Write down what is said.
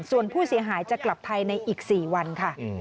ส่วนผู้เสียหายจะกลับไทยในอีก๔วันค่ะ